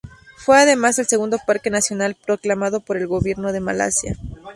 Fue además el segundo parque nacional proclamado por el gobierno de Malasia.